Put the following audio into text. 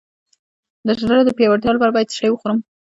د زړه د پیاوړتیا لپاره باید څه شی وخورم؟